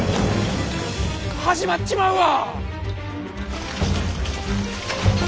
始まっちまうわ！